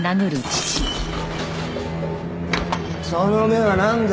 その目はなんだ？